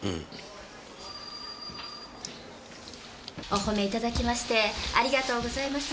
おほめいただきましてありがとうございます。